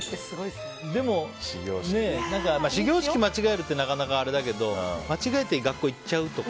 でも、始業式を間違えるってなかなかあれだけど間違えて学校行っちゃうとか。